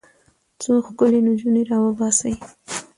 څو ښکلې نجونې راوباسي.